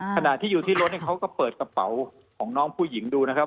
ขณะที่อยู่ที่รถเขาก็เปิดกระเป๋าของน้องผู้หญิงดูนะครับ